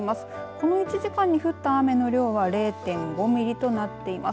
この１時間に降った雨の量は０．５ミリとなっています。